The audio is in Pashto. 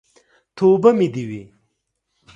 توبه مې دې وي.